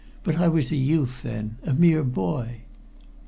But I was a youth then a mere boy."